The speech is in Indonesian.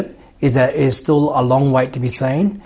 masih banyak yang perlu diperhatikan